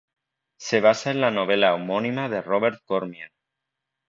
Se basa en la novela homónima de Robert Cormier.